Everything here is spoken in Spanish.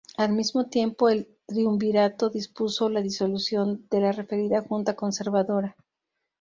Al mismo tiempo el Triunvirato dispuso la disolución de la referida Junta Conservadora.